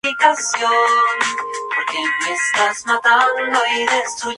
Es originaria de Grecia.